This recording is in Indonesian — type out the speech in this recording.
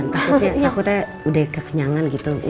takutnya udah kekenyangan gitu